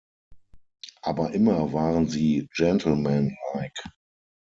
Aber immer waren Sie gentlemanlike.